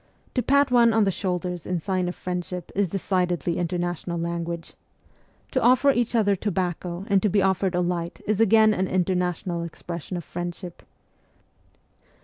To pat one on the shoulders in sign of friendship is decidedly international language. To offer each other tobacco and to be offered a light is again an international expression of friendship.